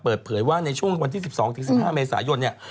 เปิดเผยว่าในช่วงวันที่๑๒๑๕เมษายนเนี่ย